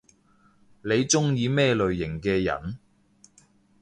你中意咩類型嘅人？